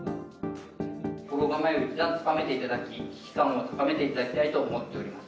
心構えを一段と高めていただき、危機感を高めていただきたいと思っております。